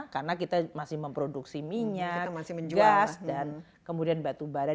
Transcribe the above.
karena kita masih memproduksi minyak gas dan kemudian batu bara